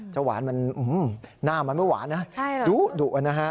หวานมันหน้ามันไม่หวานนะดุนะฮะ